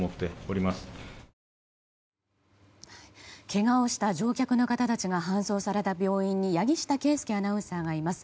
けがをした乗客の方たちが搬送された病院に柳下圭佑アナウンサーがいます。